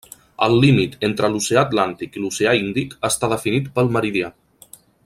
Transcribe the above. El límit entre l'oceà Atlàntic i l'Oceà Índic està definit pel meridià.